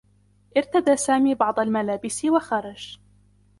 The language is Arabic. ارتدى سامي بعض الملابس و خرج.